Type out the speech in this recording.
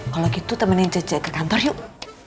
kalau gitu temenin ce ce ke kantor yuk